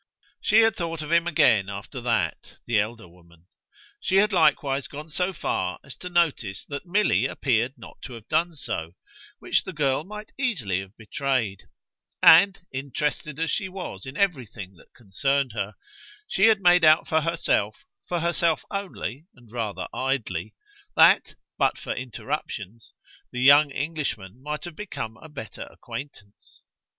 She had thought of him again after that, the elder woman; she had likewise gone so far as to notice that Milly appeared not to have done so which the girl might easily have betrayed; and, interested as she was in everything that concerned her, she had made out for herself, for herself only and rather idly, that, but for interruptions, the young Englishman might have become a better acquaintance.